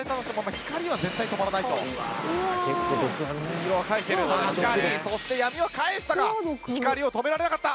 光そして闇を返したが光を止められなかった。